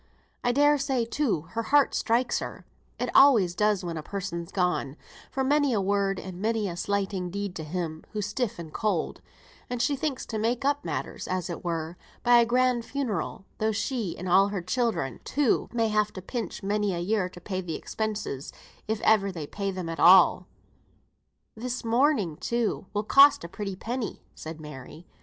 I dare say, too, her heart strikes her (it always does when a person's gone) for many a word and many a slighting deed to him, who's stiff and cold; and she thinks to make up matters, as it were, by a grand funeral, though she and all her children, too, may have to pinch many a year to pay the expenses, if ever they pay them at all." "This mourning, too, will cost a pretty penny," said Mary.